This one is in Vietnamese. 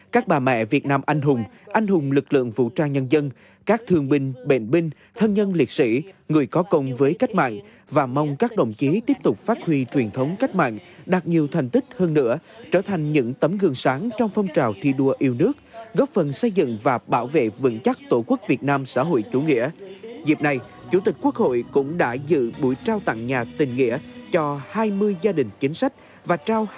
các bà mẹ việt nam anh hùng anh hùng lực lượng vũ trang nhân dân các thương binh bệnh binh bệnh binh đạt nhiều thành tích hơn nữa trở thành những tấm gương sáng trong phong trào thi đua yêu nước góp phần xây dựng và bảo vệ vững chắc tổ quốc việt nam xã hội chủ nghĩa